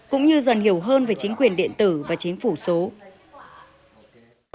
cũng như dần hiểu hơn về chính quyền điện tử và chính phủ số